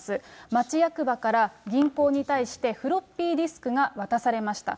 町役場から銀行に対してフロッピーディスクが渡されました。